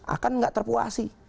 akan tidak terpuas